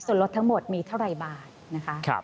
ส่วนลดทั้งหมดมีเท่าไหร่บาทนะคะ